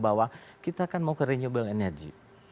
bahwa kita kan mau ke renewable energy